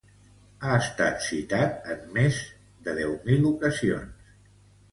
Ha estat citat en més de deu mil ocasions.